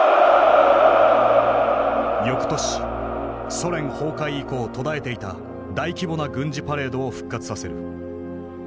よくとしソ連崩壊以降途絶えていた大規模な軍事パレードを復活させる。